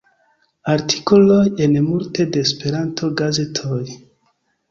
Artikoloj en multe da Esperanto-gazetoj.